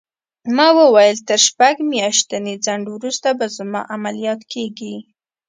ما وویل: یعنې تر شپږ میاشتني ځنډ وروسته به زما عملیات کېږي؟